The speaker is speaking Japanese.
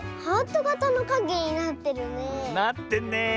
なってんねえ。